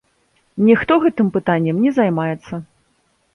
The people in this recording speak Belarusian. Ніхто гэтым пытаннем не займаецца.